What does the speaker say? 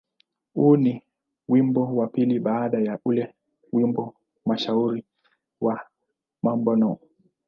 Huu ni wimbo wa pili baada ya ule wimbo mashuhuri wa "Mambo No.